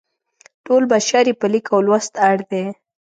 ټول بشر یې په لیک او لوست اړ دی.